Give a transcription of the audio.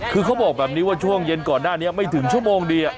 คือเขาบอกแบบนี้ว่าช่วงเย็นก่อนหน้านี้ไม่ถึงชั่วโมงดี